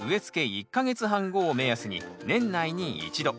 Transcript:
１か月半後を目安に年内に１度。